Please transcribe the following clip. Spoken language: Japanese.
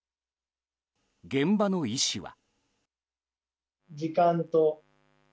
現場の医師は。